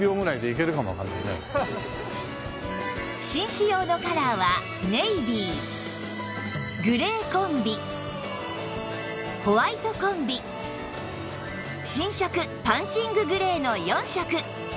紳士用のカラーはネイビーグレーコンビホワイトコンビ新色パンチンググレーの４色